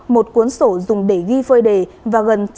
một cuốn sổ dùng để ghi phơi đề và gần sáu mươi chín triệu đồng tiền mặt